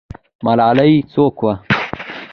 ملالۍ څوک وه؟